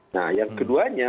nah yang keduanya